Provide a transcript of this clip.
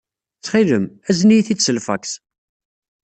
Ttxil-m, azen-iyi-t-id s lfaks.